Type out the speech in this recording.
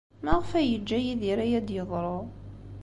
Maɣef ay yeǧǧa Yidir aya ad d-yeḍru?